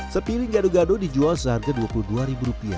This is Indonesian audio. sepiring gado gado dijual seharga rp dua puluh dua